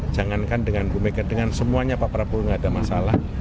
jangankan dengan bu mega dengan semuanya pak prabowo tidak ada masalah